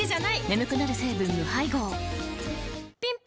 眠くなる成分無配合ぴん